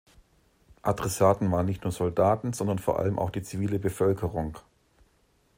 Adressaten waren nicht nur Soldaten, sondern vor allem auch die zivile Bevölkerung.